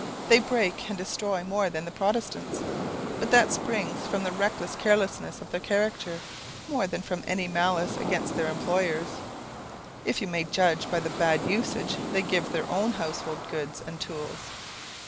They break and destroy more than the Protestants, but that springs from the reckless carelessness of their character more than from any malice against their employers, if you may judge by the bad usage they give their own household goods and tools.